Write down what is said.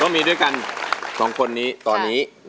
มาพบกับแก้วตานะครับนักสู้ชีวิตสู้งาน